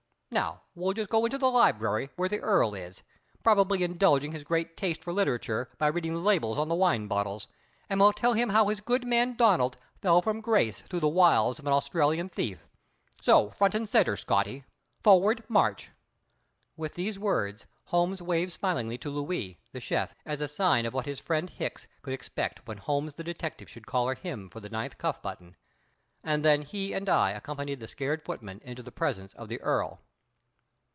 Now we'll just go into the library, where the Earl is probably indulging his great taste for literature by reading the labels on the wine bottles, and we'll tell him how his good man Donald fell from grace through the wiles of an Australian thief. So, front and center, Scotty; forward, march!" With these words Holmes waved smilingly to Louis, the chef, as a sign of what his friend Hicks could expect when Holmes the detective should collar him for the ninth cuff button, and then he and I accompanied the scared footman into the presence of the Earl.